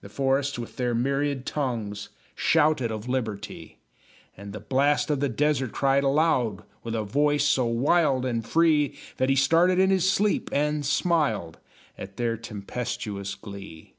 The forests, with their myriad tongues, Shouted of liberty; And the Blast of the Desert cried aloud, With a voice so wild and free, That he started in his sleep and smiled At their tempestuous glee.